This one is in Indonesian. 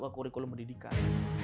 masuk ke kurikulum pendidikan